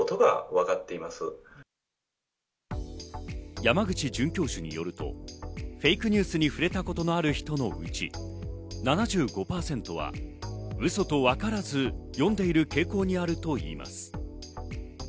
山口准教授によるとフェイクニュースに触れたことのある人のうち、７５％はウソとわからず読んでいる傾向にあるといいます。